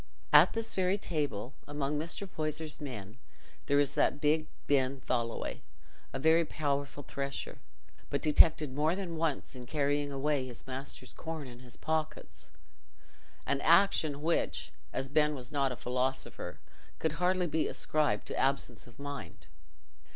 At this very table, among Mr. Poyser's men, there is that big Ben Tholoway, a very powerful thresher, but detected more than once in carrying away his master's corn in his pockets—an action which, as Ben was not a philosopher, could hardly be ascribed to absence of mind.